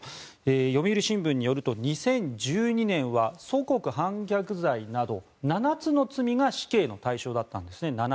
読売新聞によると２０１２年は祖国反逆罪など７つの罪が死刑の対象だったんですね。